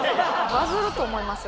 バズると思いますよ